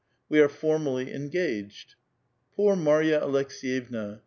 '* We are formally engaged." Poor Mary a Aleks^»yevna